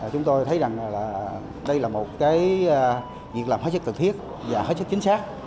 chúng tôi thấy rằng đây là một việc làm hết sức cần thiết và hết sức chính xác